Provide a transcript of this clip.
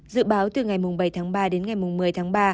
dự báo từ ngày bảy tháng ba đến ngày một mươi tháng ba